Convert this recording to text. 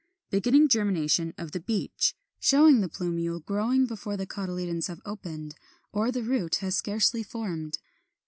Beginning germination of the Beech, showing the plumule growing before the cotyledons have opened or the root has scarcely formed.